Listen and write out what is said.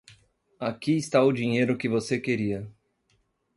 Aqui está o dinheiro que você queria.